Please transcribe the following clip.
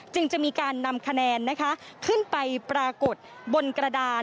จึงจะมีการนำคะแนนนะคะขึ้นไปปรากฏบนกระดาน